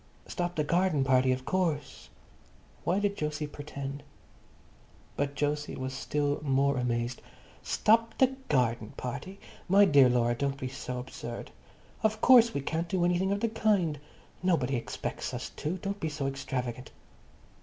"Stop the garden party, of course." Why did Jose pretend? But Jose was still more amazed. "Stop the garden party? My dear Laura, don't be so absurd. Of course we can't do anything of the kind. Nobody expects us to. Don't be so extravagant."